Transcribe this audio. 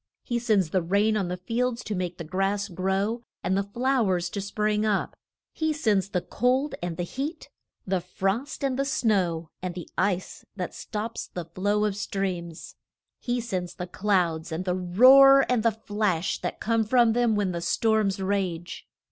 He sends the rain on the field to make the grass grow and the flow ers to spring up. He sends the cold and the heat, the frost and the snow, and the ice that stops the flow of the streams. He sends the clouds, and the roar and the flash that come from them when the storms rage.